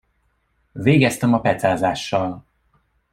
Végeztem a pecázással.